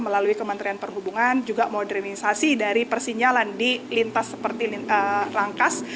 melalui kementerian perhubungan juga modernisasi dari persinyalan di lintas seperti rangkas